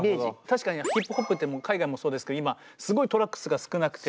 確かにヒップホップってもう海外もそうですけど今すごいトラック数が少なくて。